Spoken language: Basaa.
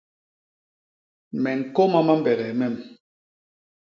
Me ñkôma mambegee mem.